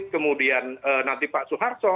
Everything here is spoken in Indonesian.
kemudian nanti pak soeharto